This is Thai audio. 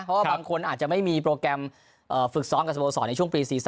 เพราะว่าบางคนอาจจะไม่มีโปรแกรมฝึกซ้อมกับสมบัติสอนในช่วงปรีซีซั่น